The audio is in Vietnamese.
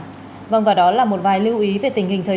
cảm ơn các bạn đã theo dõi và hẹn gặp lại